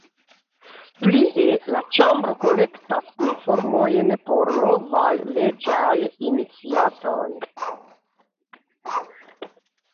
Plie la Ĉambro kolektas informojn por novaj leĝaj iniciatoj.